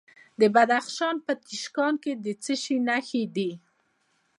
د بدخشان په تیشکان کې د څه شي نښې دي؟